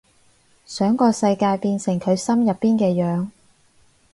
想個世界變成佢心入邊嘅樣